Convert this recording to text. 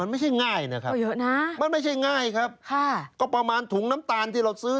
มันไม่ใช่ง่ายนะครับมันไม่ใช่ง่ายครับก็ประมาณถุงน้ำตาลที่เราซื้อ